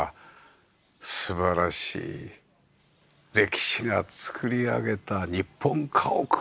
素晴らしい歴史が作り上げた日本家屋。